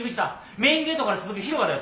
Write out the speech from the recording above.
メインゲートから続く広場だよ